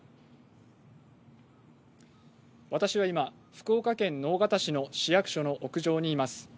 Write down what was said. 私は今、福岡県の直方市の市役所の屋上にいます。